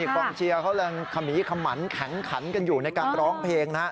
กองเชียร์เขายังขมีขมันแข็งขันกันอยู่ในการร้องเพลงนะฮะ